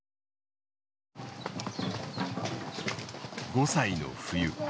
５歳の冬。